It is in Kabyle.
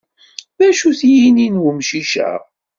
D acu-t yini n wemcic-a?